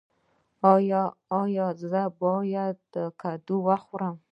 ایا زه باید کدو وخورم؟